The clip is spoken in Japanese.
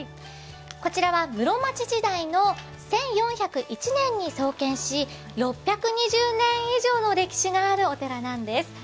こちらは室町時代の１４０１年に創建し６２０年以上の歴史があるお寺なんです。